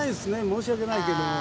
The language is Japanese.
申し訳ないけども。